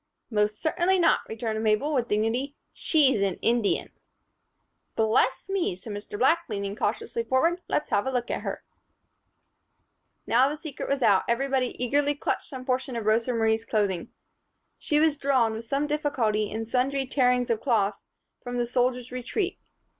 "Most certainly not," returned Mabel, with dignity. "She's an Indian." "Bless me!" said Mr. Black, leaning cautiously forward. "Let's have a look at her." Now that the secret was out, everybody eagerly clutched some portion of Rosa Marie's clothing. She was drawn, with some difficulty and sundry tearings of cloth, from the "Soldier's Retreat."